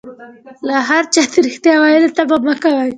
له هر چا د ريښتيا ويلو تمه مکوئ